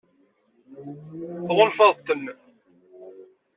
Tɣunfaḍ-ten?